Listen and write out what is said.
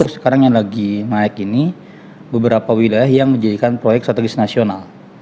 sekarang yang lagi naik ini beberapa wilayah yang menjadikan proyek strategis nasional